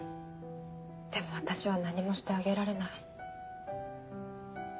でも私は何もしてあげられない。